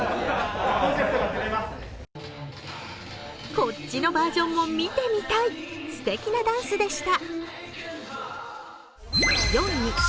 こっちのバージョンも見てみたい、すてきなダンスでした。